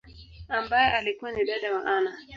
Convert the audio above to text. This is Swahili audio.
ambaye alikua ni dada wa Anna.